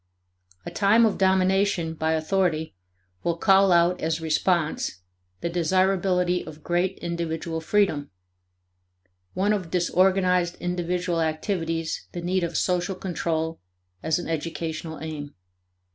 A time of domination by authority will call out as response the desirability of great individual freedom; one of disorganized individual activities the need of social control as an educational aim.